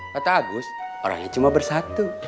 kata agus orangnya cuma bersatu